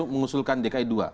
mengusulkan dki ii